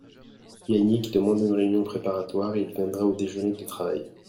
Yannig demande une réunion préparatoire et il viendra au déjeuner de travail.